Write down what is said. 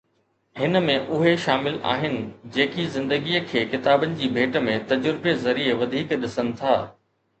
ھن ۾ اھي شامل آھن جيڪي زندگيءَ کي ڪتابن جي ڀيٽ ۾ تجربي ذريعي وڌيڪ ڏسن ٿا.